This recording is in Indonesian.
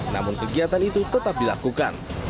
namun kegiatan itu tetap dilakukan